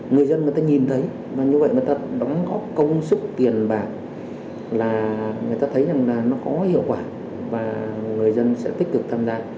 người dân người ta nhìn thấy và như vậy người ta đóng góp công sức tiền bạc là người ta thấy rằng là nó có hiệu quả và người dân sẽ tích cực tham gia